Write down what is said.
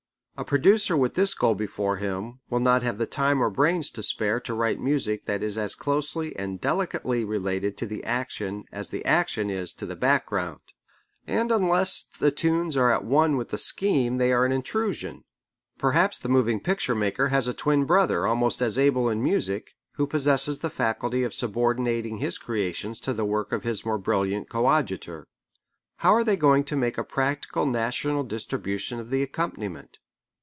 A producer with this goal before him will not have the time or brains to spare to write music that is as closely and delicately related to the action as the action is to the background. And unless the tunes are at one with the scheme they are an intrusion. Perhaps the moving picture maker has a twin brother almost as able in music, who possesses the faculty of subordinating his creations to the work of his more brilliant coadjutor. How are they going to make a practical national distribution of the accompaniment?